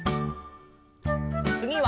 つぎは。